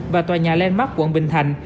và tòa nhà landmark quận bình thành